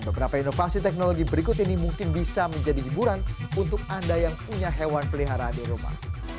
beberapa inovasi teknologi berikut ini mungkin bisa menjadi hiburan untuk anda yang punya hewan peliharaan di rumah